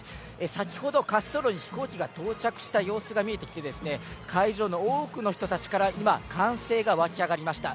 先ほど滑走路に飛行機が到着した様子が見えてきて、会場の多くの人たちから今、歓声が沸き上がりました。